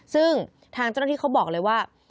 ซึ่งทางเจ้าหน้าที่เขาบอกเลยว่า